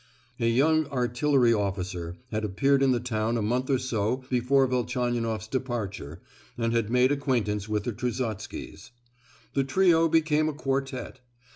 A young artillery officer had appeared in the town a month or so before Velchaninoff's departure and had made acquaintance with the Trusotsky's. The trio became a quartet.